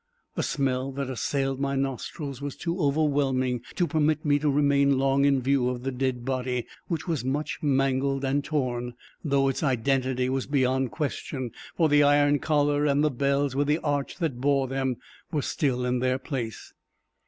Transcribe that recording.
The smell that assailed my nostrils was too overwhelming to permit me to remain long in view of the dead body, which was much mangled and torn, though its identity was beyond question, for the iron collar, and the bells with the arch that bore them, were still in their place.